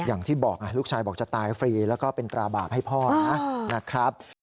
อย่างที่บอกลูกชายบอกจะตายฟรีแล้วก็เป็นตราบาปให้พ่อนะครับ